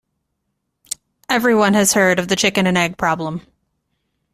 Everyone has heard of the chicken and egg problem.